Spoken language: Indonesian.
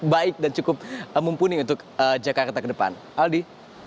baik dan cukup mumpuni untuk jakarta ke depan aldi